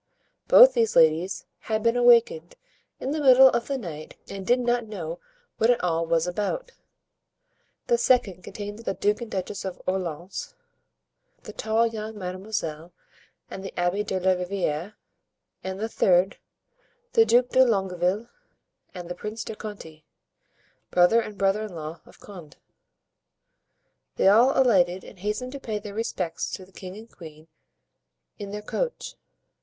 Both these ladies had been awakened in the middle of the night and did not know what it all was about. The second contained the Duke and Duchess of Orleans, the tall young Mademoiselle and the Abbé de la Riviere; and the third, the Duke de Longueville and the Prince de Conti, brother and brother in law of Condé. They all alighted and hastened to pay their respects to the king and queen in their coach.